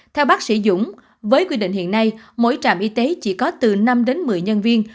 theo bác sĩ dũng với quy định hiện nay mỗi trạm y tế chỉ có từ năm đến một mươi nhân viên